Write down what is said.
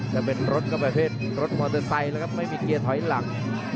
แต่เป็นรถก็ประเภทรถมอเตอร์ไซค์แล้วครับไม่มีเกียร์ถอยหลัง